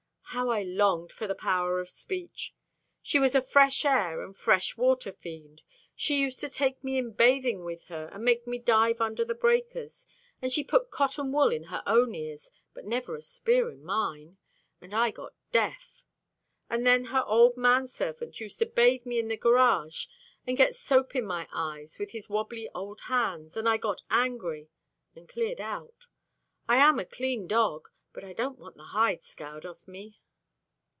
How I longed for the power of speech! She was a fresh air and fresh water fiend. She used to take me in bathing with her and make me dive under the breakers, and she put cotton wool in her own ears but never a spear in mine, and I got deaf; and then her old man servant used to bathe me in the garage and get soap in my eyes with his wobbly old hands, and I got angry, and cleared out. I am a clean dog, but I don't want the hide scoured off me.